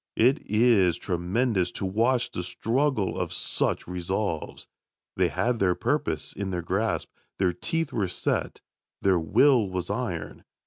It is tremendous to watch the struggle of such resolves. They had their purpose in their grasp, their teeth were set, their will was iron.